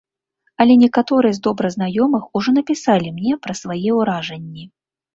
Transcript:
Але некаторыя з добра знаёмых ужо напісалі мне пра свае ўражанні.